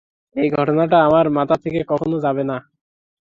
এই ঘটনাটা আমার মাথা থেকে কখনো যাবে না।